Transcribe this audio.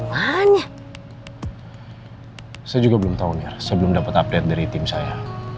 saya juga belum tahu mir saya belum dapat update dari tim saya